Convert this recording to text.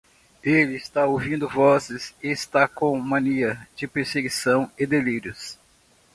Ele está ouvindo vozes e está com mania de perseguição e delírios